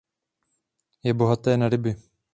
Je bohaté na ryby.